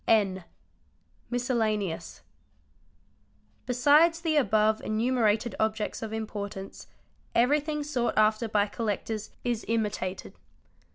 N. Miscellaneous. Besides the above enumerated objects of importance, everything sought after by collectors is imitated.